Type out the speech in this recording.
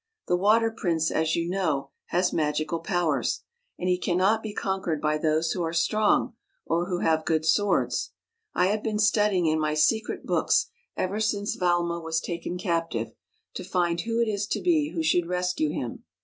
" The Water Prince, as you know, has magical powers, and he can not be conquered by those who are strong or who have good swords. I have been studying in my secret books ever since Valma was taken captive, to find who it is to be who should rescue him.